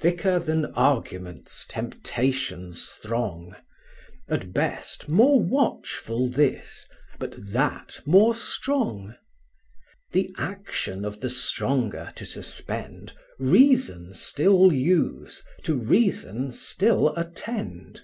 Thicker than arguments, temptations throng. At best more watchful this, but that more strong. The action of the stronger to suspend, Reason still use, to reason still attend.